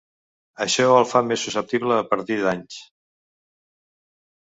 Això el fa més susceptible a partir danys.